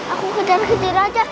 aku kejar kejar aja